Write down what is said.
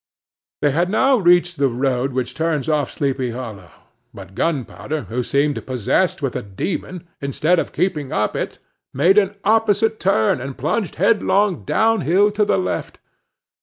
They had now reached the road which turns off to Sleepy Hollow; but Gunpowder, who seemed possessed with a demon, instead of keeping up it, made an opposite turn, and plunged headlong downhill to the left.